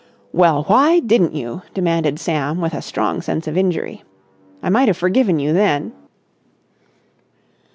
"Well, why didn't you?" demanded Sam with a strong sense of injury. "I might have forgiven you then.